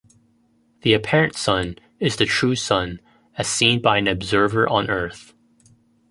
The apparent sun is the true sun as seen by an observer on Earth.